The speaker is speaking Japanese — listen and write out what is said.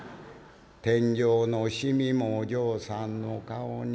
「天井のシミもお嬢さんの顔に。